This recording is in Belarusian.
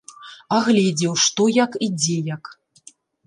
Агледзеў, што як і дзе як.